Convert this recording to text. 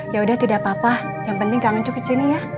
ya udah tidak apa apa yang penting kangen cuy ke sini ya